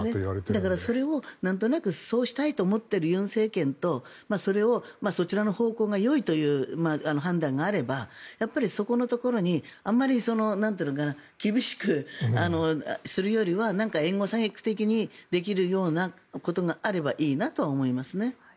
だからそれをなんとなくそうしたいと思っている尹政権とそちらの方向がよいという判断があればそこのところにあまり厳しくするよりは援護射撃的にできるようなことがあればいいなとは思いますね。